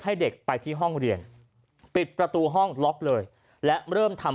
ให้เด็กไปที่ห้องเรียนปิดประตูห้องล็อกเลยและเริ่มทำ